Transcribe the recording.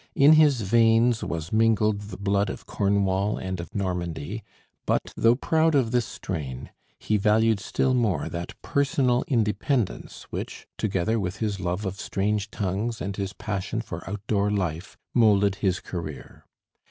In his veins was mingled the blood of Cornwall and of Normandy; but though proud of this strain, he valued still more that personal independence which, together with his love of strange tongues and his passion for outdoor life, molded his career.